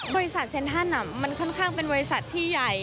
บริษัทเซ็นท่านอะมันข้างเป็นบริษัทที่ใหญ่